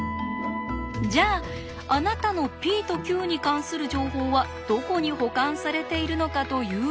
じゃああなたのｐとｑに関する情報はどこに保管されているのかというと？